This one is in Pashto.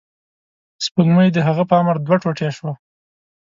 سپوږمۍ د هغه په امر دوه ټوټې شوه.